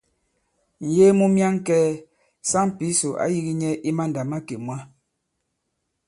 Ŋ̀yee mu myaŋkɛ̄ɛ̄, saŋ Pǐsò ǎ yīgī nyɛ i mandàmakè mwǎ.